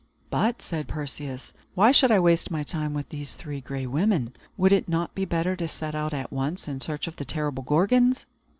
"But," said Perseus, "why should I waste my time with these Three Gray Women? Would it not be better to set out at once in search of the terrible Gorgons?"